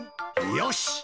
よし！